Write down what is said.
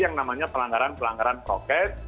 yang namanya pelanggaran pelanggaran prokes